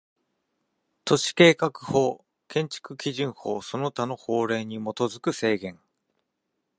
都市計画法、建築基準法その他の法令に基づく制限